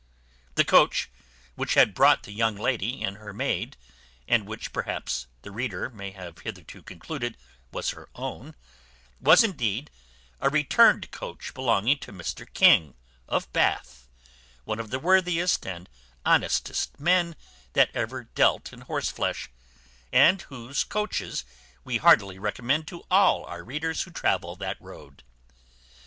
The coach which had brought the young lady and her maid, and which, perhaps, the reader may have hitherto concluded was her own, was, indeed, a returned coach belonging to Mr King, of Bath, one of the worthiest and honestest men that ever dealt in horse flesh, and whose coaches we heartily recommend to all our readers who travel that road.